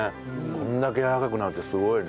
これだけやわらかくなるってすごいね。